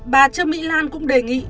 bà trương mỹ lan cũng đề nghị